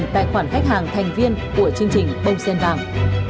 bốn trăm một mươi một tài khoản khách hàng thành viên của chương trình bông xen vàng